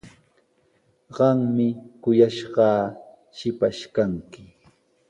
Qami kuyanqaa shipash kanki.